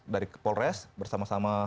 dari polres bersama sama